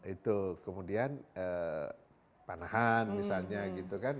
itu kemudian panahan misalnya gitu kan